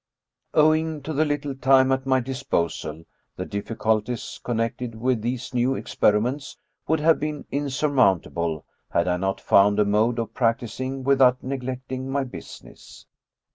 Owing to the little time at my disposal, the difficulties connected with these new experiments would have been in surmountable had I not found a mode of practicing without neglecting my business.